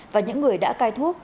và những người đã cai thuốc